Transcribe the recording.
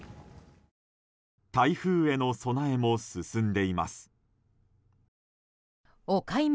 台風への備えも進んでいます。